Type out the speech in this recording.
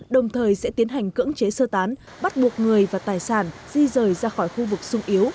đồng thời sẽ tiến hành cưỡng chế sơ tán bắt buộc người và tài sản di rời ra khỏi khu vực sung yếu